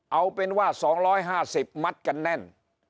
เอาเป็นว่า๒๕๐มัดกันแน่น